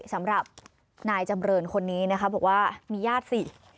สำหรับนายจำเรินคนนี้นะคะบอกว่ามีญาติสิ